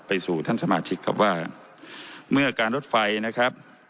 สู่ท่านสมาชิกครับว่าเมื่อการรถไฟนะครับ